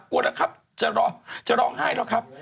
กลัวนะครับจะรอจะร้องไห้แล้วครับ